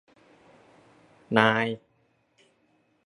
นาย